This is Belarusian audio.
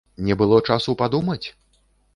Не было часу падумаць?